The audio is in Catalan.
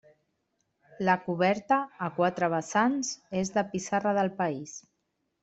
La coberta, a quatre vessants, és de pissarra del país.